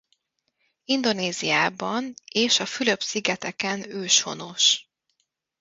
Indonéziában és a Fülöp-szigeteken őshonos.